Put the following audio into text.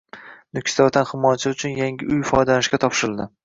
Nukusda vatan himoyachilari uchun yangi uy foydalanishga topshirildi